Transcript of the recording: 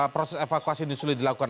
proses evakuasi ini sulit dilakukan